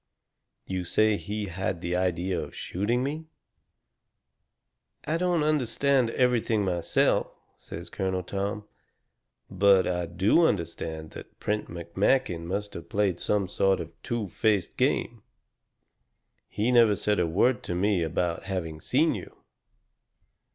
"You say he had the idea of shooting me." "I don't understand everything myself," says Colonel Tom. "But I do understand that Prent McMakin must have played some sort of a two faced game. He never said a word to me about having seen you.